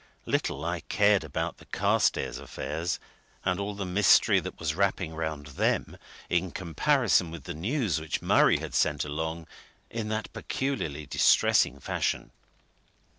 Little I cared about the Carstairs affairs and all the mystery that was wrapping round them in comparison with the news which Murray had sent along in that peculiarly distressing fashion!